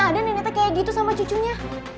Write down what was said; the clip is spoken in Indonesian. ada neneknya kayak gitu sama cucunya